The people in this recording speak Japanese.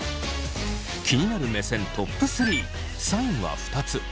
気になる目線トップ３３位は２つ。